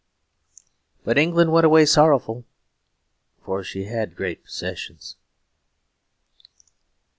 But England went away sorrowful, for she had great possessions.